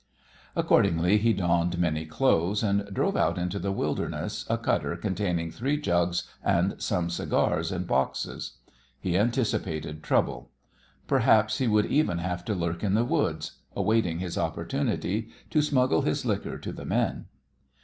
Accordingly he donned many clothes, and drove out into the wilderness a cutter containing three jugs and some cigars in boxes. He anticipated trouble. Perhaps he would even have to lurk in the woods, awaiting his opportunity to smuggle his liquor to the men.